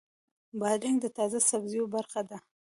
بادرنګ د تازه سبزیو برخه ده.